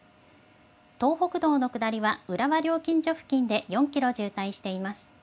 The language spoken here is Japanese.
東北道の下りは浦和料金所付近で４キロ渋滞しています。